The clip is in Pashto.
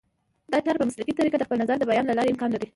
دا چاره په مسلکي طریقه د خپل نظر د بیان له لارې امکان لري